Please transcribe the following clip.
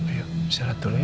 ayo siarat dulu ya